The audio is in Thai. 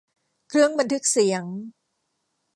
เครื่องบันทึกเสียง